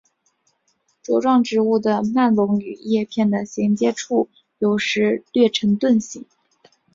茁壮植株的笼蔓与叶片的衔接处有时略呈盾形。